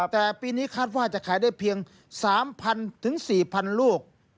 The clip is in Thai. แต่ปีนี้คาดว่าจะขายได้เพียง๓๐๐๔๐๐ลูก